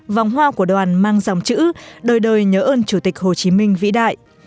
vòng hoa của đoàn mang dòng chữ đời đời nhớ ơn chủ tịch hồ chí minh vĩ đại